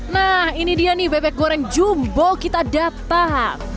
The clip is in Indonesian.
nah ini dia nih bebek goreng jumbo kita datang